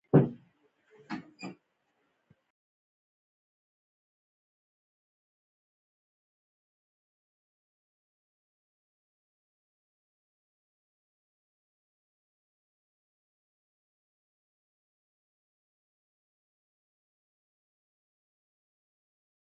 ما ورته وویل: ډېر ښه، ګیلاسونه ډک کړه چې ژر وڅښو.